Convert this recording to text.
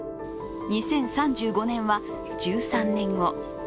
２０３５年は１３年後。